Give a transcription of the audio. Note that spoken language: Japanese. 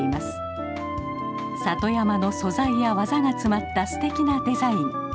里山の素材や技が詰まったすてきなデザイン。